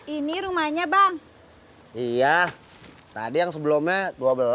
ini rumahnya bang iya tadi yang sebelumnya dua belas satu nomor tiga belas